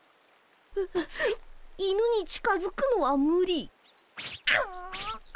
犬に近づくのはむり。